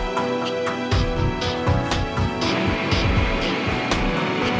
bagian semasa senge dilepas krim